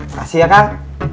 makasih ya kang